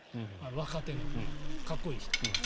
若手のかっこいい人。